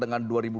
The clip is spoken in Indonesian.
jangan poa yoga